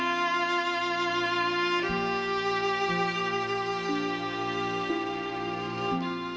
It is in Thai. และให้กับพี่น้องคนไทยทุกคนค่ะ